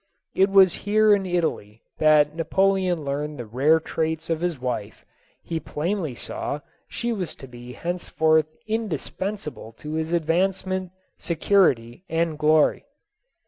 It was here in Italy that Napoleon learned the rare traits of his wife ; he plainly saw she was to be henceforth in dispensable to his advancement, security and glory.